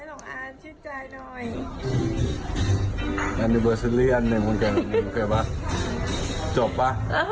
โอ้ยโดดเย็ดอ่ะ